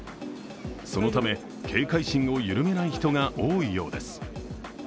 そのため、警戒心を緩めない人が多いようです。